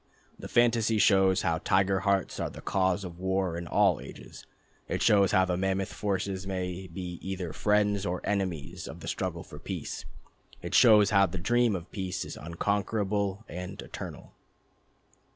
The Fantasy shows how tiger hearts are the cause of war in all ages. It shows how the mammoth forces may be either friends or enemies of the struggle for peace. It shows how the dream of peace is unconquerable and eternal.